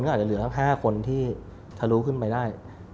ก็อาจจะเหลือ๕คนที่ทะลุขึ้นไปได้